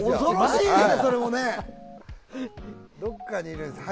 どこかにいるんですよ。